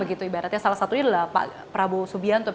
ibaratnya salah satunya adalah pak prabowo subianto